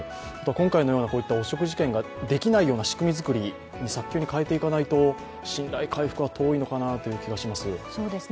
今回のようなこういった汚職事件ができないような仕組み作りに、早急に変えていかないと信頼回復は遠いのかなという気がします。